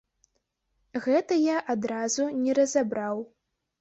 Гэта я адразу не разабраў.